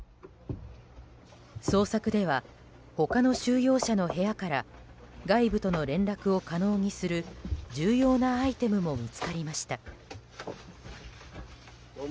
捜索では、他の収容者の部屋から外部との連絡を可能にする重要なアイテムも見つかりました。